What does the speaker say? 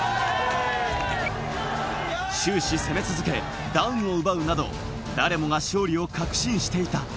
終始攻め続け、ダウンを奪うなど、誰もが勝利を確信していた。